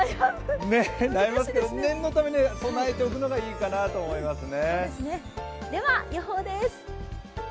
悩みます、念のために備えておくのがいいかと思いますね。